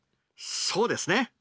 そうですね。